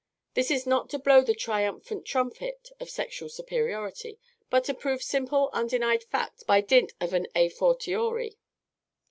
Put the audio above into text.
This is not to blow the triumphant trumpet of sexual superiority, but to prove a simple undenied fact by dint of an a fortiori.